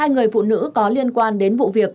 hai người phụ nữ có liên quan đến vụ việc